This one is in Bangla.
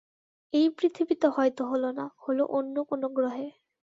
এই পৃথিবীতে হয়তো হল না, হল অন্য কোনো গ্রহে।